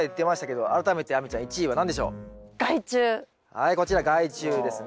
はいこちら害虫ですね。